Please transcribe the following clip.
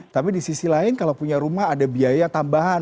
tapi di sisi lain kalau punya rumah ada biaya tambahan